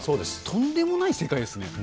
とんでもない世界ですね。